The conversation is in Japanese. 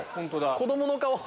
子供の顔！